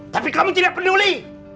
tapi kamu tidak peduli